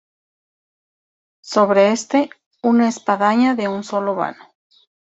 Sobre este una espadaña de un solo vano.